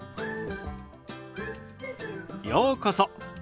ようこそ。